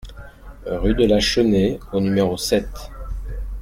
Rue de la Chenée au numéro sept